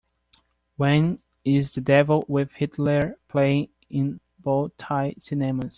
When is The Devil with Hitler playing in Bow Tie Cinemas